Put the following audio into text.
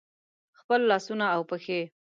خپل لاسونه او پښې